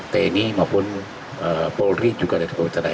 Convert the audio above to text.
tni maupun polri juga dari pemerintah daerah